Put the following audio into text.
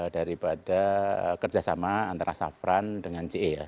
daripada kerjasama antara safran dengan ce ya